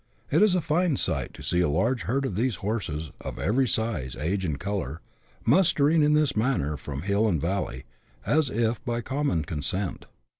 It is a fine sight to see a large herd of these horses, of every size, age, and colour, mustering in this manner from hill and valley, as if by common consent.